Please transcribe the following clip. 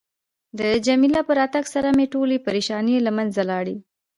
د جميله په راتګ سره مې ټولې پریشانۍ له منځه لاړې.